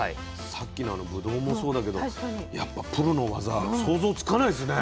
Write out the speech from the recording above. さっきのぶどうもそうだけどやっぱプロの技は想像つかないですね。